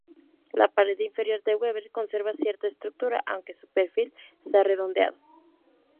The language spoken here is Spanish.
La pared interior de Weber conserva cierta estructura, aunque su perfil se ha redondeado.